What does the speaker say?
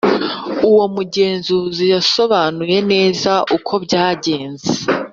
uwo mugenzuzi yasobanuye neza uko byagenze,